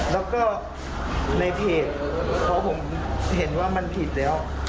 แล้วก็ในเพจเพราะผมเห็นว่ามันผิดแล้ว